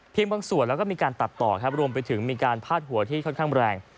บางส่วนแล้วก็มีการตัดต่อครับรวมไปถึงมีการพาดหัวที่ค่อนข้างแรง